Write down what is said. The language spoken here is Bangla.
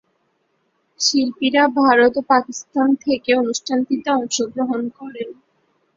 শিল্পীরা ভারত ও পাকিস্তান থেকে অনুষ্ঠানটিতে অংশগ্রহণ করেন।